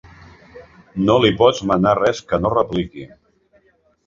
No li pots manar res que no repliqui.